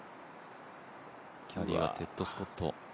キャディーはテッド・スコット。